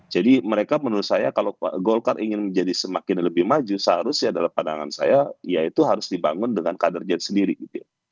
mereka menurut saya kalau golkar ingin menjadi semakin lebih maju seharusnya dalam pandangan saya ya itu harus dibangun dengan kadernya sendiri gitu ya